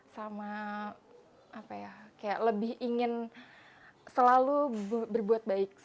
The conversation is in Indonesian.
sama apa ya kayak lebih ingin selalu berbuat baik